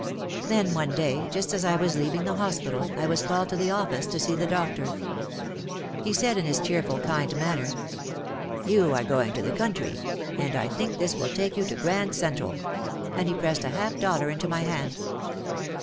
Then one day, just as I was leaving the hospital, I was called to the office to see the doctor. He said in his cheerful kind manner, "You are going to the country and I think this will take you to Grand Central, ,, and he pressed a half dollar into my hand.